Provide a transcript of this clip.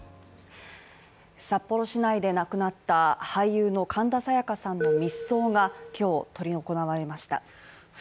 札幌市内で亡くなった俳優の神田沙也加さんの密葬が今日とり行われました。